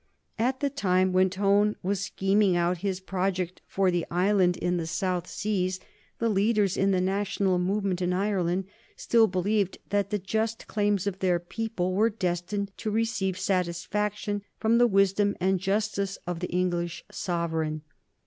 At the time when Tone was scheming out his project for the island in the South Seas the leaders in the national movement in Ireland still believed that the just claims of their people were destined to receive satisfaction from the wisdom and justice of the English Sovereign.